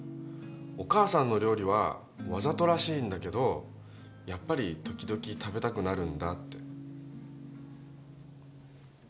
お母さんの料理はわざとらしいんだけどやっぱり時々食べたくなるんだって。